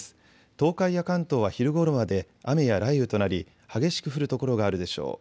東海や関東は昼ごろまで雨や雷雨となり激しく降る所があるでしょう。